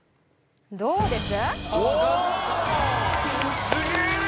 どうです？